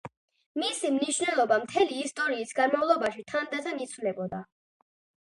მისი მნიშვნელობა მთელი ისტორიის განმავლობაში თანდათან იცვლებოდა.